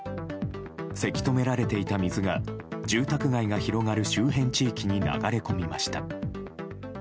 せき止められていた水が住宅街が広がる周辺地域に流れ込みました。